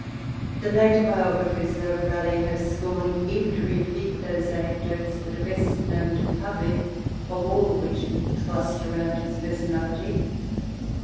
The later biographers of Raleigh have scorned even to repeat those anecdotes that are the best known to the public of all which cluster around his personality.